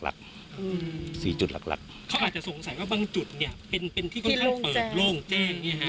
เขาอาจจะสงสัยว่าบางจุดเป็นที่ค่อนข้างเปิดโล่งแจ้ง